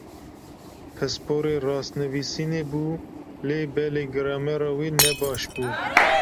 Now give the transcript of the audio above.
Pisporê rastnivîsînê bû lê belê gramera wî nebaş bû.